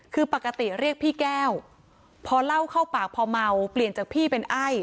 คือปกติเรียกพี่แก้วพอเล่าเข้าปากพอเมาเปลี่ยนจากพี่เป็นไอ้